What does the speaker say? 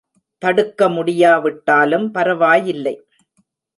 தடுக்க முடியா விட்டாலும் பரவாயில்லை.